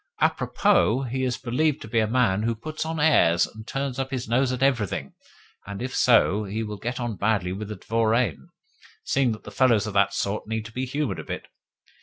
A propos, he is believed to be a man who puts on airs, and turns up his nose at everything; and if so, he will get on badly with the dvoriane, seeing that fellows of that sort need to be humoured a bit.